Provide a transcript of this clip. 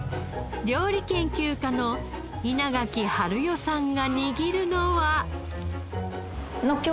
料理研究家の稲垣晴代さんが握るのは？